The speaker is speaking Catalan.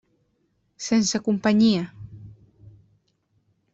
Sense companyia.